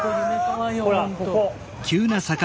ほらここ。